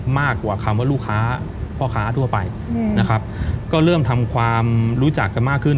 มากกว่าคำว่าลูกค้าพ่อค้าทั่วไปนะครับก็เริ่มทำความรู้จักกันมากขึ้น